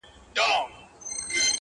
ورته وگورې په مــــــيـــنـــه;